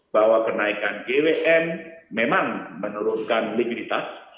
bahwa kenaikan gwm memang menurunkan likuiditas